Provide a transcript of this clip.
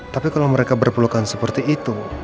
tapi kalau mereka berpelukan seperti itu